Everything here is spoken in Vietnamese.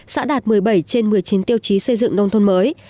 xã đạt một mươi bảy trên một mươi chín tiêu chí xây dựng nông thôn mới